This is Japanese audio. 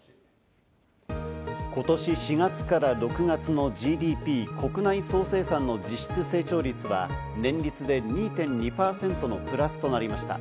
今年４月から６月のＧＤＰ＝国内総生産の実質成長率は年率で２．２％のプラスとなりました。